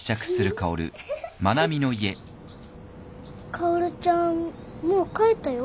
薫ちゃんもう帰ったよ。